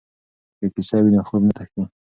که کیسه وي نو خوب نه تښتي.